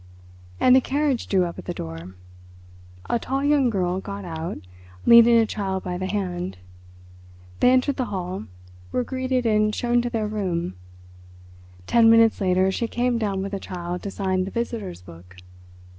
And a carriage drew up at the door. A tall young girl got out, leading a child by the hand. They entered the hall, were greeted and shown to their room. Ten minutes later she came down with the child to sign the visitors' book.